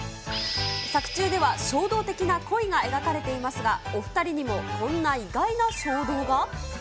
作中では衝動的な恋が描かれていますが、お２人にもこんな意外な衝動が？